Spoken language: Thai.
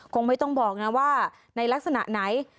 คงไม่ต้องบอกนะว่าในลักษณะไหน